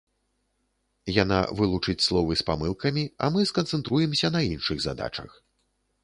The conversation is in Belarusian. Яна вылучыць словы з памылкамі, а мы сканцэнтруемся на іншых задачах.